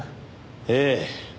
ええ。